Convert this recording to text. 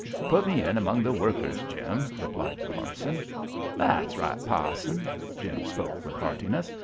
"Put me in among the workers, Jim," replied the parson. "That's right, Pa'son," Jim spoke with heartiness.